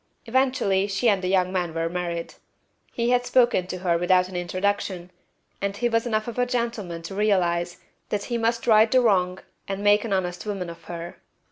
Eventually she and the young man were married. He had spoken to her without an introduction, and he was enough of a gentleman to realize that he must right the wrong and make an honest woman of her.